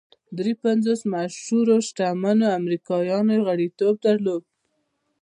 درې پنځوس مشهورو شتمنو امریکایانو یې غړیتوب درلود